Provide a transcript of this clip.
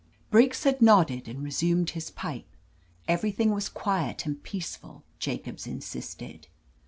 Briggs had nodded and re sumed his pipe. Everything was quiet and peaceful, Jacobs insisted.